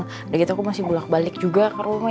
udah gitu aku masih bulat balik juga ke rumah